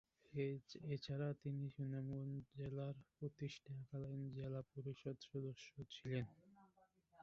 এছাড়া তিনি সুনামগঞ্জ জেলার প্রতিষ্ঠাকালীন জেলা পরিষদ সদস্য ছিলেন।